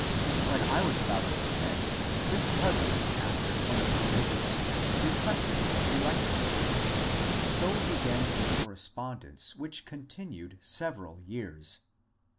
When I was about ten this cousin, after one of her visits, requested me to write to her. So began a cor respondence which continued several years.